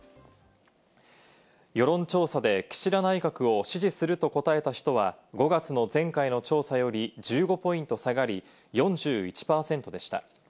世論調査で岸田内閣を支持すると答えた人は、５月の前回の調査より１５ポイント下がり、４１％でした。